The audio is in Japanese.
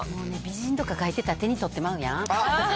もう美人とか書いてたら手に取ってまうやん。